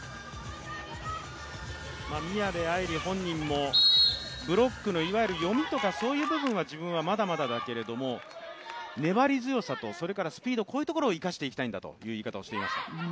宮部藍梨本人もブロックの、いわゆる読みとかそういう部分は自分はまだまだだけれども、粘り強さとスピード、こういうところを生かしていきたいんだという話をしていました。